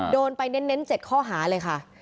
โดนไปเน้น๗ข้อหาเลยค่ะ